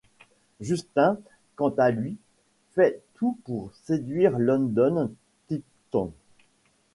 Justin, quant à lui, fait tout pour séduire London Tipton.